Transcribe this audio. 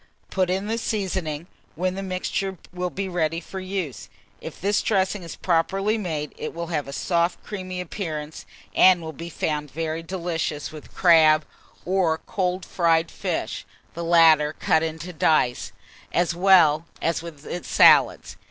Put in the seasoning, when the mixture will be ready for use. If this dressing is properly made, it will have a soft creamy appearance, and will be found very delicious with crab, or cold fried fish (the latter cut into dice), as well as with salads.